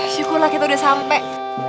syukurlah kita sudah sampai